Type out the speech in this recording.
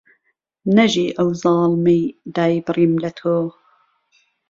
نهژی ئهو زاڵمهی دایبڕیم له تۆ